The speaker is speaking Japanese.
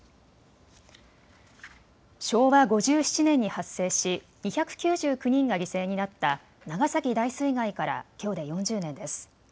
昭和５７年に発生し２９９人が犠牲になった長崎大水害からきょうで４０年です。